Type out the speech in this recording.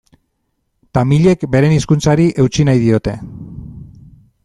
Tamilek beren hizkuntzari eutsi nahi diote.